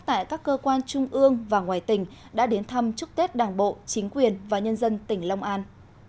tại các cơ quan trung ương và ngoài tỉnh đã đến thăm chúc tết đảng bộ chính quyền và nhân dân tỉnh long an